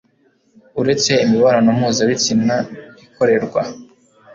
uretse imibonano mpuzabitsina ikorerwa